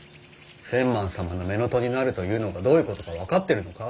千幡様の乳母父になるというのがどういうことか分かってるのか。